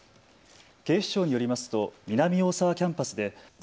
警視庁によりますと南大沢キャンパスで。